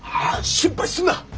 心配すんな！